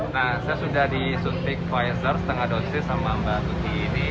nah saya sudah disuntik pfizer setengah dosis sama mbak tuti ini